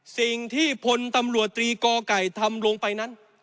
สิ่งที่พลตำรวจตรีกอไก่ทำลงไปนั้น